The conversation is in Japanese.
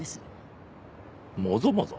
もぞもぞ？